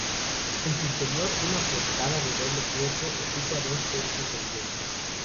En su interior una portada de doble cuerpo ocupa dos tercios del lienzo.